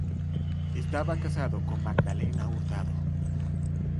Estaba casado con Magdalena Hurtado.